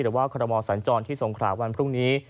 หรือว่าคอรมอสัญจรที่สงขราวันพรุ่งนี้